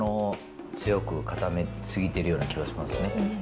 強く固め過ぎてるような気はしますね。